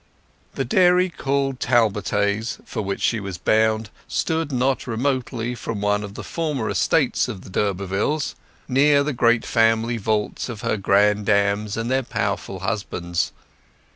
The dairy called Talbothays, for which she was bound, stood not remotely from some of the former estates of the d'Urbervilles, near the great family vaults of her granddames and their powerful husbands.